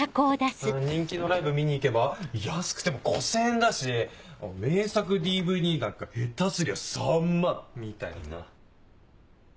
人気のライブ見に行けば安くても５０００円だし名作ＤＶＤなんか下手すりゃ３万みたいな。